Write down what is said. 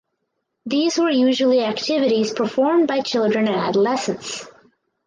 These were usually activities performed by children and adolescents.